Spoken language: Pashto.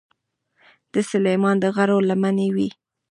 د سلیمان د غرو لمنې وې.